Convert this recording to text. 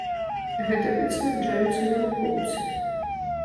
Гэта пацвярджаюць і навукоўцы.